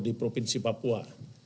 di provinsi papua